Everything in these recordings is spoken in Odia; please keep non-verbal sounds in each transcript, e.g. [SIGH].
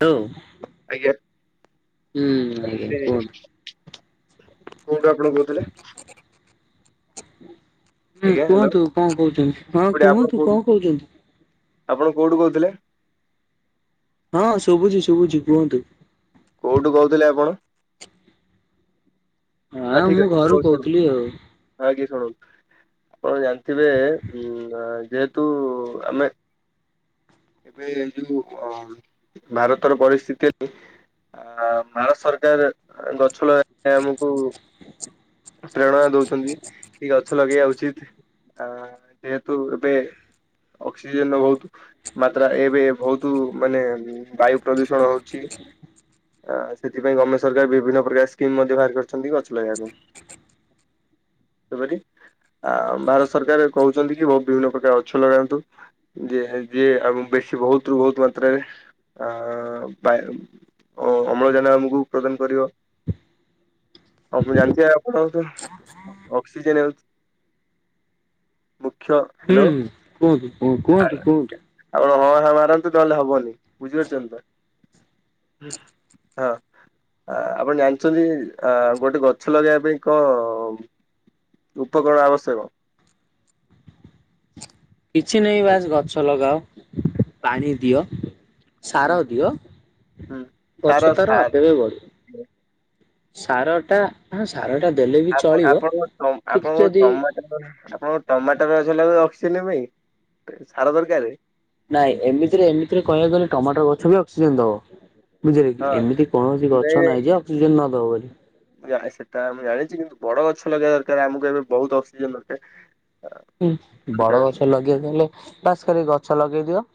ହ୍ୟାଲୋ ଆଜ୍ଞା, ହୁଁ ଆଜ୍ଞା [INAUDIBLE] କୁହନ୍ତୁ। କୋଉଠୁ ଆପଣ କହୁଥିଲେ? ହୁଁ ଆଜ୍ଞା ହ୍ୟାଲୋ କୁହନ୍ତୁ, କଣ କହୁଛନ୍ତି? ହଁ କୋଉଠି ଆପଣ କୁହନ୍ତୁ, କୋଉଠୁ କଣ କହୁଛନ୍ତି? ଆପଣ କୋଉଠୁ କହୁଥିଲେ? ହଁ ଶୁଭୁଛି! ଶୁଭୁଛି କୁହନ୍ତୁ। କୋଉଠୁ କହୁଥିଲେ ଆପଣ? ହଁ, ଠିକ୍ ଅଛି। ମୁଁ ଘରୁ କହୁ ଶୁଣୁ। କହୁଥିଲି ଆଉ ଆଜ୍ଞା ଶୁନନ୍ତୁ। ଆପଣ ଜାଣିଥିବେ। ଉମ ଯେହେତୁ ଆମେ ଏବେ ଯୋଉ ଅଁ ଭାରତର ପରିସ୍ଥିତି, ଆ ଭାରତ ସରକାର ଗଛ ଛ ଲଗେଇ ଆମକୁ ପ୍ରେରଣା ଦଉଛନ୍ତି କି ଗଛ ଲଗେଇବା ଉଚିତ ଆ ଯେହେତୁ ଏବେ- ଅକ୍ସିଜେନ ର ବହୁତ ମାତ୍ରା ଏବେ ବହୁତ ମାନେ ବାୟୁ ପ୍ରଦୂଷଣ ହଉଛି। ଆ ସେଥିପାଇଁ ଗମମେଟ ସରକାର ବିଭିନ୍ନ ପ୍ରକାର ସ୍କିମ୍ ମଧ୍ୟ ବାହାର କରିଛନ୍ତି। ଲେୟାରେ ଏପରି ଆ ଭାରତ ସରକାର କହୁଛନ୍ତି କି! ବହୁ ବିଭିନ୍ନ ପ୍ରକାର ଗଛ ଲଗାନ୍ତୁ। ଯିଏ ଯିଏ ଆଉ ବେସ ସେ ବହୁତୁରୁୁ ବହୁତ ମାତ୍ରାରେ ଆ ବାୟ ଅ-ଅମ୍ଳଜାନ ଆମକୁ ପ୍ରଦାନ କରିବ। ଆଉ ପୁଣି ଜାଣିଥିବେ, ଆପଣ ଆଉ ତ ଅକ୍ସିଜେନ ହେଉଛି ମୁଖ୍ୟ ହୁଁ, ହ୍ୟାଲୋ ହୁଁ, କୁହନ୍ତୁ, କୁହନ୍ତୁ, କୁହନ୍ତୁ! ହଁ, ଆପଣ ହାଁ ମାରନ୍ତୁ ନ ହେଲେ ହବନି ବୁଝିପାରୁଛନ୍ତିତ। ହଁ, ଆ ଆପଣ ଜାଣିଚନ୍ତି, ଆ ଗୋଟେ ଗଛ ଲଗେଇବା ପାଇଁ କଣ ଉପକରଣ ଆବଶ୍ୟକ? କିଛି ନହିଁ ବାସ ଗଛ ଲଗାଅ। ପାଣି ଦିଅ। ହୁଁ ସାର ଦିଅ, ହୁଁ ଗଛ ସାର ତାର ସାର ଆପେଆପେ ବଢିବ। ସାରଟା ହଁ ସାରଟା ଦେଲେ ବି ଆପଣ ଚଳିବ ଆପଣଙ୍କ, ଟ କିନ୍ତୁ ଆପଣଙ୍କ ଯଦି ଟମାଟର ଆପଣଙ୍କ ଟମାଟର ଗଛଲଗେଇଅ ଛ ଚେନେଭାଇ ଟେ ସାର ଦରକାରେ ନାଇଁ, ଏମିତିରେ ଏମିତିରେ କହିବାକୁଗଲେ ଟମାଟର ଗଛ ବି ଅକ୍ସିଜେନ ଦବ। ବୁଝିଲେ କି! ହଁ ଏମିତି କୌଣସି ନାଇଁ ଗଛ ନାହିଁ, ଯେ ନାଇଁ ଅକ୍ସିଜେନ ନ ଦବ ବୋଲି। ସେଟା ମୁଁ ଜାଣିଛି। କିନ୍ତୁ ବଡ ଗଛ ଲଗେଇବା ଦରକାର, ଆମକୁ ଏବେ ବହୁତ ଅକ୍ସିଜେନ ଦରକାର। ହୁଁ। ବଡ ଦରକାର। ଗଛ ଲଗେଇଆକୁ ହେଲେ, ବାସ୍ ଖାଲି ଗଛ ଲଗେଇ ଦିଅ।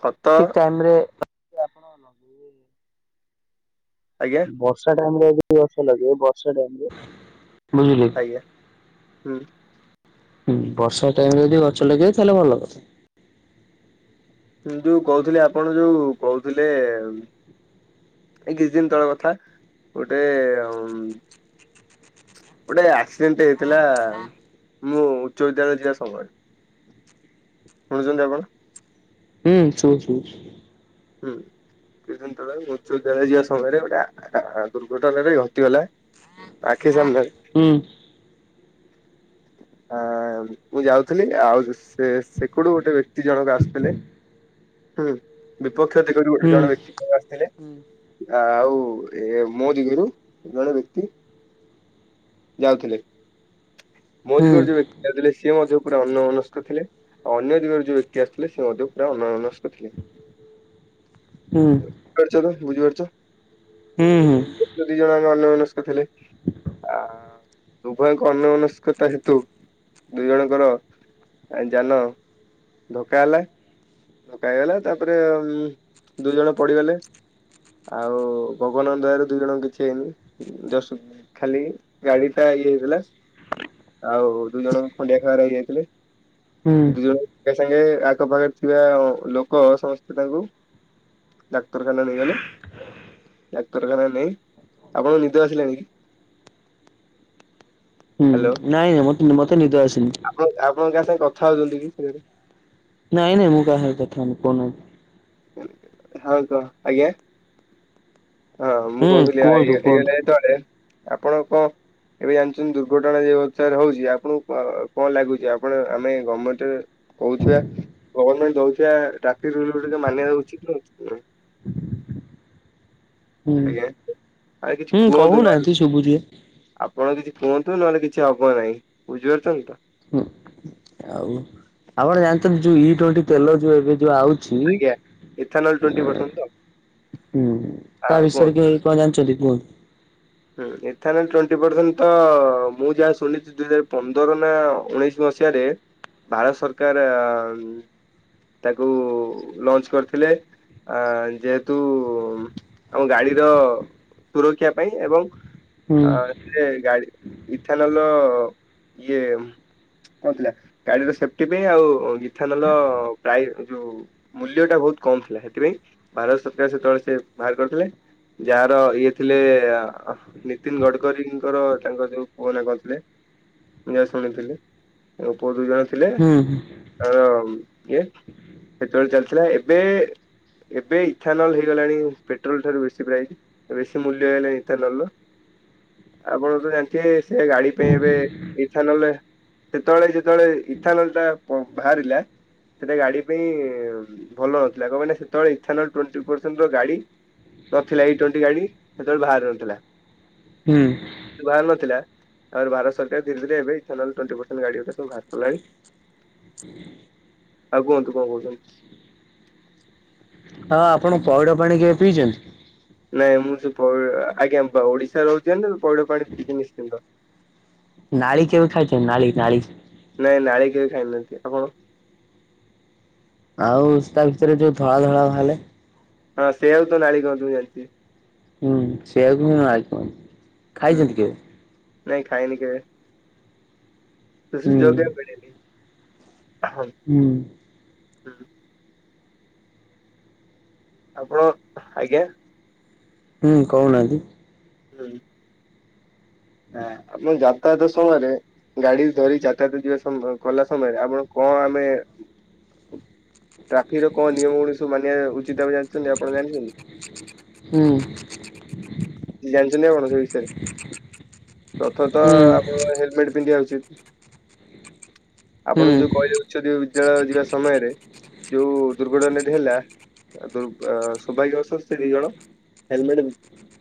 ଖତ ଠିକ ଟାଇମରେ ଯଦି ଆପଣ ଆଜ୍ଞା ବର୍ଷା ଟାଇମରେ ଯଦି ଗଛ ଲଗେଇବ ବର୍ଷା ଟାଇମରେ ଆଜ୍ଞା। ହୁଁ। ହୁଁ। ବର୍ଷା ଟାଇମରେ ଯଦି ଗଛ ଲଗେଇବ ତାହେଲେ ଭଲ କଥା। ମୁଁ ଯୋଉ କହୁଥିଲି ଆପଣ ଯୋଉ କହୁଥିଲେ ଏଇ କିଛିଦିନ ତଳ କଥା। ଗୋଟେ ଗୋଟେ ଆକ୍ସିଡେଣ୍ଟଟେ ହେଇଥିଲା ମୁଁ ଉଚ୍ଚ ବିଦ୍ୟାଳୟ ଯିବା ସମୟରେ, ଶୁଣୁଛନ୍ତି ଆପଣ? ହୁଁ, ଶୁଭୁଚି ଶୁଣୁଛି। ହୁଁ। କିଛିଦିନ ତଳେ ଉଚ୍ଚବିଦ୍ୟାଳୟ ଯିବା ସମୟରେ ଗୋଟେ ଆ-ଆ ଦୁର୍ଘଟଣାରେ ଘଟିଗଲା। ଆଖି ସାମ୍ନାରେ। ହୁଁ। ଆ ମୁଁ ଯାଉଥିଲି ଆଉ ସେ-ସେ କଡୁ ଗୋଟେ ବ୍ୟକ୍ତି ଜଣକ ଆସୁଥିଲେ। ହୁଁ ବିପକ୍ଷ ଦିଗରୁ ଗୋଟେ ହୁଁ ଜଣ ବ୍ୟକ୍ତି ଆସିଥିଲେ। ହୁଁ ଆ ଆଉ ଏ ମୋ ଦିଗରୁ ଜଣେ ବ୍ୟକ୍ତି ଯାଉଥିଲେ। ମୋ ହୁଁ ଦିଗରୁ ଯୋଉ ବ୍ୟକ୍ତିଟା ଯାଉଥିଲେ ସିଏ ମଧ୍ୟ ପୁରା ଅନ୍ୟମନସ୍କ ଥିଲେ, ଆଉ ଅନ୍ୟ ଦିଗରୁ ଯୋଉ ବ୍ୟକ୍ତି ଆସୁଥିଲେ, ସେ ମଧ୍ୟ ପୁରା ଅନ୍ୟମନସ୍କ ଥିଲେ। ହୁଁ ବୁଝିପାରୁଛ ତ ବୁଝିପାରୁଛ। ହୁଁ ଯୋଉ ଦିଜଣ ଦୁହେଁ ଅନ୍ୟମନସ୍କ ଥିଲେ। ଆ ଉଭୟଙ୍କ ଅନ୍ୟମନସ୍କତା ହେତୁ ଦୁଇ ଜଣଙ୍କର ଯାନ ଧକ୍କା ହେଲା। ଧକ୍କା ହେଇଗଲା। ତାପରେ ଦୁଇ ଜଣ ପଡିଗଲେ। ଆଉ ଭଗବାନଙ୍କ ଦୟା ରୁ ଦୁଇ ଜଣଙ୍କ କିଛି ହେଇନି। ଜଷ୍ଟ ଖାଲି ଗାଡି ଟା ଇଏ ହେଇଯାଇଥିଲା ଆଉ ଦୁଇ ଜଣ ଖଣ୍ଡିଆ ଖାବାରା ହେଇଯାଇଥିଲେ। ହୁଁ ହୁଁ ଦୁଇ ଜଣ କୁ ଏକା ସାଙ୍ଗେ ଆଖପାଖରେ ଥିବା ଲୋକ ସମସ୍ତେ ସେ ତାଙ୍କୁ ଡାକ୍ତରଖାନା ନେଇଗଲେ। ଡ଼ାକ୍ତରଖାନା ନେଇ, ଆପଣଙ୍କୁ ନିଦ ଆସିଲାଣି କି? ହ୍ୟାଲୋ! ନାଇଁ ନାଇଁ ମତେ ମତେ ନିଦ ଆସିନି ଆପଣ ଆପଣ କାସାଙ୍ଗେ କଥ ଥା ହଉଛନ୍ତି କି ସେ ଘରେ? ନାଇଁ ନାଇ ମୁଁ କାହା ସହ କଥା ହଉନି, କହୁନାହାନ୍ତି! ହଁ କହ। ଆଜ୍ଞା? ହଁ। ମୁଁ କହୁନାହାନ୍ତି ହୁଁ କହୁଥିଲି ଏଇ କୁହନ୍ତୁ କୁହନ୍ତୁ ହେଇଗଲା ଯେତେବେଳେ ଆପଣଙ୍କୁ କଣ ଏବେ ଜାଣିଚନ୍ତି ଦୁର୍ଘଟଣା ଯେଉ ହିସାବରେ ହଉଛି ଆପଣଙ୍କୁ କ-କଣ ଲାଗୁଚି? ଆପଣ ଆମେ ଗମେଣ୍ଟରେ କଉଥିବା, ଗଭର୍ନମେଣ୍ଟ ଦଉଥିବା ଟ୍ରାଫିକ ରୁଲକୁ ଟିକେ ମାନିବା ଉଚିତ୍ ନା ଉଚିତ୍ ନୁହଁ କି? ହୁଁ ଆଜ୍ଞା ଆରେ କିଛି ହୁଁ କୁହନ୍ତୁ ନହେଲେ କହୁନାହାନ୍ତି ଶୁଭୁଛି ଆପଣ କିଛି କୁହନ୍ତୁ ନହେଲେ କିଛି ହବ ନାହିଁ ବୁଝିପାରୁଛନ୍ତି ତ! ହୁଁ ଆଉ ଆପଣ ଜାଣିଛନ୍ତି, ଯୋଉ ଇ ଟ୍ବେଣ୍ଟି ତେଲ ଯୋଉ ଏବେ ଯୋଉ ଆଉଛି! ଆଜ୍ଞା ଇଥାନଲ ଟ୍ୱେଣ୍ଟି ପରସେଣ୍ଟ ହୁଁ ତ ତା ହଁ ବିଷୟରେ କୁହନ୍ତୁ। କି କଣ ଜାଣିଛନ୍ତି କୁହନ୍ତ? ହୁଁ ଏଥାନ, ଟ୍ବେଣ୍ଟି ପର୍ଯ୍ୟନ୍ତ ମୁଁ ଯାହା ଶୁଣିଛିି ଦୁଇ ହଜାର ପନ୍ଦର ନା ଉଣେଇଶ ମସିହାରେ ଭାରତ ସରକାର ତାକୁ ଲଞ୍ଚ କରିଥିଲେ ଆ ଯେହେତୁ ଆମ ଗାଡିର ସୁରକ୍ଷା ପାଇଁ ଏବଂ ହୁଁ ଆ ସେ ଗାଡି ଇଥାନେଲ ର ଇଏ କଣଥିଲା ଗାଡିର ସେଫଟି ପାଇଁ ଆଉ ଇଥାନେଲ ପ୍ରାୟ ଯୋଉ ମୂଲ୍ୟ ଟା ବହୁତ କମ ଥିଲା, ସେଥିପାଇଁ ଭାରତ ସରକାର ସେତେବେଳେ ସେ ବାହାର କରିଥିଲେ ଯାହାର ଇଏ ଥିଲେ, ନୀତିନ ଗଡକରୀଙ୍କର ତାଙ୍କର ଯୋଉ ପୁଅ ନା କଣ ଥିଲେ ମୁ ଯାହା ଶୁଣିଥିଲି ତାଙ୍କ ପୁଅ ଦୁଇ ଜଣ ଥିଲେ ହୁଁ ତାର ଆ ସେତେବେଳେ ଚାଲିଥିଲା ଏବେ ଏବେ ଇଥାନଲ ହେଇଗଲାଣି, ପେଟ୍ରୋଲ ଠାରୁ ବେଶୀ ପ୍ରାଇସ୍ ବେଶୀ ମୂଲ୍ୟ ହେଇଗଲାଣି ଇଥାନଲର ଆପଣ ତ ଜାଣିଥିବେ ସେ ଗାଡି ପାଇଁ ଏବେ ଇଥା ନହେଲେ ସେତେବେଳେ ଯେତେବେଳେ ଇଥାନଲ ଟା ବାହାରିଲା ସେଟା ଗାଡି ପାଇଁ ଭଲ ନଥିଲା କଣ ମ ସେତେବେଳେ ଇ ଗାଡି ନଥିଲା ଏଇ ଟ୍ୱେଣ୍ଟି ଗାଡି ସେତେବେଳେ ବାହାରି ନଥିଲା। ହୁଁ। ବାହାର ନଥିଲା ଆ ଭାରତ ସରକାର ଧୀରେ ଧୀରେ ଏବେଲେ ପରସଣ୍ଟ ଗାଡି ଗଟା ସବୁ ବାହାର ପିଲାଣି [INAUDIBLE] ଆଉ କୁହନ୍ତୁ କଣ କହୁଛନ୍ତି? ହଁ ଆପଣ ପଇଡା ପାଣି କେଏ ପିଇଛନ୍ତି? ନାଇଁ ମୁଁ ସେ ଆଜ୍ଞା ଓଡିଶା ରହୁଛି ପଇଡ ପାଣି ପିଇି ନିଶ୍ଚିନ୍ତ। ନାଳି କେବେ ଖାଇଛ ନାଳ ନାଳି? ଜାଇନାହାନ୍ତି ଆପଣ? ଆଉ ତା ଭିତରେ ଯୋଉ ଧଳା ଧଳା ବାଲେ? ହଁ ସେ ହଉ ତ ନାଳ କୁ ଜଛି ସେଆକୁ ହଁ ଆ କଣ ହୁଁ। ଖାଇଛନ୍ତି କିବେ? ନାଇଁ ଖାଇନି କେବେ। ତ ହୁଁ ଯୋଗ ମିଳେନି। ହଁ। ହୁଁ। ଆପଣ ଆଜ୍ଞା ହୁଁ କହୁନନ୍ତି? [INAUDIBLE] ହଁ ଆ ଯାତାୟାତ ସମୟରେ ଗାଡି ଧରି ଯାତାୟାତ ଯିବା ସମ କଲା ସମୟରେ ଆପଣ କଣ ଆମେ ଟ୍ରାଫିକ ର କଣ ନିୟମ ଗୁ ସବୁ ମାନିବା ଉଚିତମ ଜାଣିଛନ୍ତି ଆପଣ ଜାଣିଛନ୍ତି? ହୁଁ। ଜାଣିଛନ୍ତି ଆପଣ ସେ ବିଷୟରେ ପ୍ରଥତଃ ହୁଁ ଆପଣ ହେଲମେଟ ପିନ୍ଧିବା ଆ ହୁଁ ଆପଣ ଯୋଉ ହୁଁ କହିଲେ ଉଚ୍ଚ ବିଦ୍ୟାଳୟ ଯିବା ସମୟରେ ଯୋଉ ଦୁର୍ଘଟ ନଟି ହେଲା ଦୁର୍ ସୌଭାଗ୍ୟ ଅସ ଦି ଜଣ ହେଲମେଟ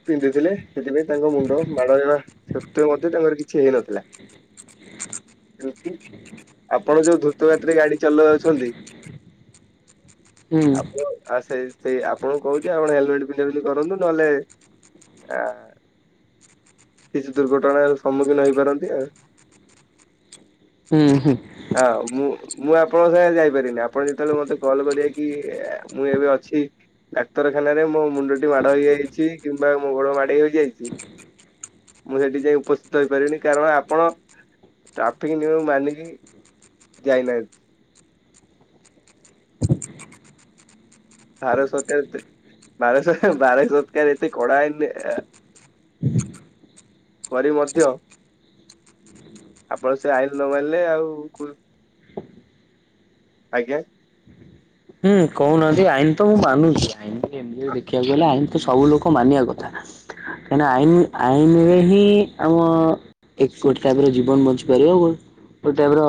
ପିନ୍ଧୁଥିଲେ ସେଥିପାଇଁ ତାଙ୍କ ମୁଣ୍ଡ ମାଡ ହେବା ସତ୍ ମଧ୍ୟ ତାଙ୍କର କିଛି ହେଇନଥିଲା। କି ଆପଣ ଯୋଉ ଧ୍ରୁତଗତିରେ ଗାଡି ଚଲଉଛନ୍ତି ହୁଁ। ଆଉ ସେଇ ସେଇ ଆପଣଙ୍କୁ କହୁଛି ଆପଣ ହେଲମେଟ ପିନ୍ଧା ପିନ୍ଧି କରନ୍ତୁ ନହେଲେ ଆ କିଛି ଦୁର୍ଘଟଣାର ସମ୍ମୁଖୀନ ହେଇପାରନ୍ତି ଆ ହୁଁ ହଁ ମୁଁ ମୁଁ ଆପଣଙ୍କ ସାଙ୍ଗ ଯାଇପାରିନି ଆପଣ ଯେତେବେଳେ ମତେ କଲ୍ କରିବେ କି ମୁଁ ଏବେ ଅଛି ଛି ଡାକ୍ତରଖାନାରେ ମୋ ମୁଣ୍ଡଟି ମାଡ ହେଇଯାଇଛି କିମ୍ବା ମୋ ଗୋଡ ମାଡ ହେଇଯାଇଛି। ମୁଁ ସେଠି ଯାଇ ଉପସ୍ଥିତ ହେଇପାରିନି କାରଣ ଆପଣ ଟ୍ରାଫିକ ନିୟମ ମାନିକି ଜାଇନାହାନ୍ତି। ବାର ସରକାର ତେ ବାର ସରକାର ବାର ସରକାର ଏତେ କଡ଼ାଆଇନ ଦେ କରି ମଧ୍ୟ ଆପଣ ସେ ଆଇନ ନ ମାନିଲେ ଆଉ କୁ ଆଜ୍ଞା। ହଁ କହୁନାହାନ୍ତି ଆଇନ ତ ମୁଁ ମାନୁଛି ଆଇନ ଏମିତିରେ ଦେଖିବାକୁ ଗଲେ ଆଇନ ତ ସବୁ ଲୋକ ମାନିବା କଥା କାହିଁକି ଆଇନ ଆଇନରେ ହିଁ ଆମ ଏକ ଗୋଟେ ଟାଇପର ଜୀବନ ବଞ୍ଚିପାରିବ। ଗୋଟେ ଟାଇପର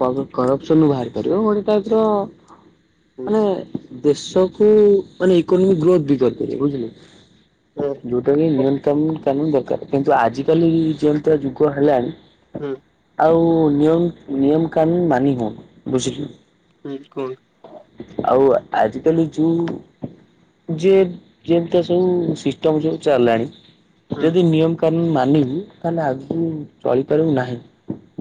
କର-କରପସନରୁ ବାହାରି ପାରିବ। [UNINTELLIGIBLE] ହୁଁ ମାନେ ଦେଶକୁୁ ମାନେ ଇକୋନୋମିକ ଗ୍ରୋଥ ବି କରିପାରିବ ବୁଝିଲେ। ହୁଁ। ଯୋଉଟା କି ନିୟନ୍ତ୍ରଣ କାନୁନ କାନୁନ ଦରକାର କିନ୍ତୁ ଆଜିିକାଲି ଜିଅନ୍ତା ଯୁଗ ହେଲାଣି ହୁଁ। ଆଉ ନିୟମ ନିୟମ କାନୁନ ମାନି ହଉନି ବୁଝିଲୁ। [UNINTELLIGIBLE] କଣ? ଆଉ ଆଜିକାଲି ଯୋଉ ଯେ ଯେମିତିଆ ସବୁ ସିଷ୍ଟମ ସବୁ ଚାଲିଲାଣି। ହୁଁ ଯଦି ନିୟମ କାନୁନ ମାନିବୁ ତାହେଲେ ଆଗକୁ ଚଳିପାରିବୁ ନାହିଁ।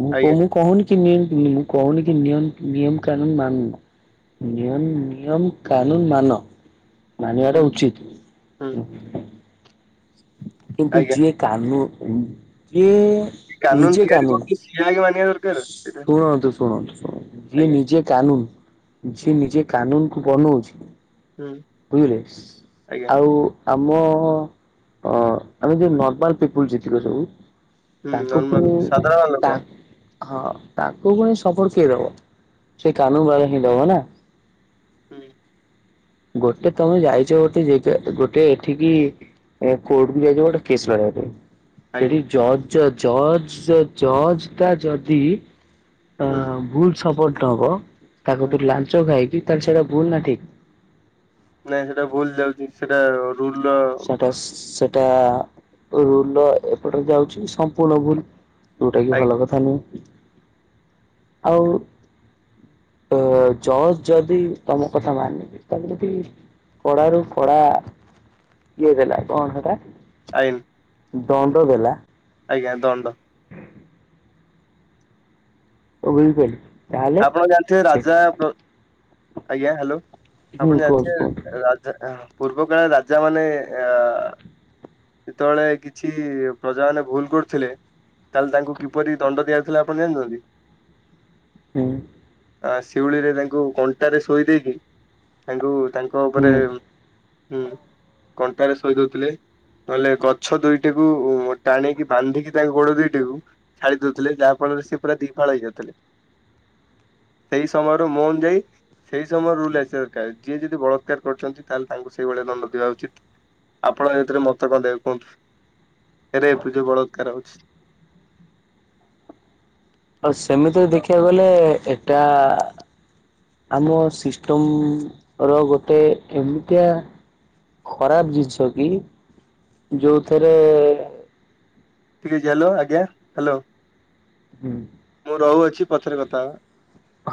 ମୁଁ ଆଜ୍ଞା କହୁ-କହୁନିକି ନି ମୁଁ କହୁନି କି ନିୟଲ ନିୟମ କାନୁନ ମାନୁ। ନିୟନ ନିୟମ କାନୁନ ମାନ। ମାନିବା ହୁଁ ଟା ଉଚିତ। ହୁଁ କିନ୍ତୁ ଆଜ୍ଞା ଯିଏ କାନୁ ଯିଏ କାନୁନ ତିଆରି କରୁଛି ସିଏ ଆଗେ ମାନିବା ଦରକାର ସେଇଟା ଶୁଣନ୍ତୁ ଶୁଣନ୍ତୁ ଯିଏ ଆଜ୍ଞା ନିଜେ କାନୁନ ହୁଁ ଯିଏ ନିଜେ କାନୁନକୁ ବନଉଛି ହୁଁ ବୁଝିଲେ ସ ଆଜ୍ଞା ଆଉ ଆମ ଅ ଆମେ ଯଉ ନର୍ମାଲ ପିପୁଲ ଯେତିକ ସବୁ ହୁଁ ତାଙ୍କୁ ନର୍ମାଲ ଫୁଣି ସାଧାରଣ ତା ଲୋକ ହଁ ତାଙ୍କୁ ପୁଣି ସପଟ କିଏ ଦବ ସେ କାନୁନ ବାଲା ହିଁ ଦବନା। ହୁଁ। ଗୋଟେ ତମେ ଯାଇଛ ଗୋଟେ ଯେଗା ଗୋଟେ ଏଠିକି କୋର୍ଟକୁ ଯାଇଛ ଗୋଟେ କେସ୍ ବାଡେଇବା ପାଇଁ ଆଜ୍ଞା ସେଠି ଜଜ ଜଜ ଜଜଟା ଯଦି ଅ ହୁଁ ଭୁଲ ସପର୍ଟ ନବ ତାକତରୁ ହୁଁ ଲାଞ୍ଚ ଖାଇକି ତା ସେଟା ଭୁଲ ନା ଠିକ? ନାଇଁ ସେଇଟା ଭୁଲ ଯାଉଛି ସେଇଟା ସେଟା ସେଟା ରୁଲ ଏପଟେ ଯାଉଛି ସମ୍ପୂର୍ଣ ଭୁଲ। ଯଉଟା କି ଆଜ୍ଞା ଭଲ କଥା ନୁହଁ ଆଉ ଅ ଜଜ ଯଦି ତମ କଥା ମାନିବି ତାହେଲେ ସେଠି କଡା ରୁ କଡା ଇଏ ଦେଲା କଣ ହେଟା ଆଇନ୍। ଦଣ୍ଡ ଦେଲା। ଆଜ୍ଞା ଦଣ୍ଡ। [UNINTELLIGIBLE] ଆପଣ ଜାଣିଥିବେ ସେ ରାଜା ପ ଆଜ୍ଞା ହ୍ୟାଲୋ ହୁଁ ଆପଣ କୁହନ୍ତୁ କୁହନ୍ତୁ ଜାଣିଛେ ରାଜା ପୂର୍ବକାଳରେ ରାଜା ମାନେ ଅ ସେତେବେଳେ କିଛି ପ୍ରଜା ମାନେ ଭୁଲ କରୁଥିଲେ ତାହେଲେ ତାଙ୍କୁ କିପରି ଦଣ୍ଡ ଦିଆର ଥିଲା ଆପଣ ଜାଣିଛନ୍ତି? ହଁ। ଆ ଶିଉଳି ରେ ତାଙ୍କୁ କଣ୍ଟାରେ ଶୋଇ ଦେଇକି ତାଙ୍କୁ ତାଙ୍କ ହୁଁ ଉପରେଁ କଣ୍ଟାରେ ଶୋଇ ଦଉଥିଲେ ନହେଲେ ଗଛ ଦୁଇଟିକୁ, ଟାଣିକି ବାନ୍ଧିକି ତାଙ୍କ ଗୋଡ ଦିଇଟିକୁ ଛାଡି ଦଉଥିଲେ ଯାହାଫଳରେ ସେ ପୁରା ଦିପାଳ ହେଇ ଯାଉଥିଲେ ସେଇ ସମୟରୁ ମୋନ ଯାଇ ସେଇ ସମୟରେ ରୁଲ ଆସିବା ଦରକାର ଯିଏ ଯଦି ବଳାତ୍କାର କରୁଛନ୍ତି ତାହେଲେ ତାଙ୍କୁ ସେଇ ଭଳିଆ ଦଣ୍ଡ ଦବା ଉଚିତ ଆପଣ ଏଥିରେ ମତେ କ କୁହନ୍ତୁ? ଏରେ ପୂଜା ବଳାତ୍କାର ହଉଛି ଆଉ ସେମିତିରେ ଦେଖିବାକୁ ଗଲେ ଏଟା ଆମ ସିଷ୍ଟମ ର ଗୋଟେ ଏମିତିଆ ଖରାପ ଜିନିଷ କି ଯୋଉଥିରେ ଠିକ ଅଛି ହ୍ୟାଲୋ ଆଜ୍ଞା ହ୍ୟାଲୋ! ହୁଁ। ମୁଁ ରହୁଅଛି ପଛର କଥା।